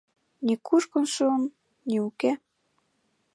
Ни кушкын шуын, ни уке, -